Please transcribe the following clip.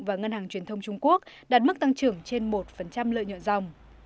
và ngân hàng truyền thông trung quốc đạt mức tăng trưởng trên một lợi nhuận dòng